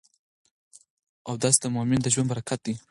اودس د مؤمن د ژوند برکت دی.